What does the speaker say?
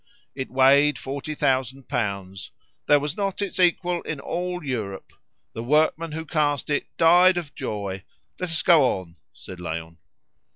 It weighed forty thousand pounds. There was not its equal in all Europe. The workman who cast it died of the joy " "Let us go on," said Léon.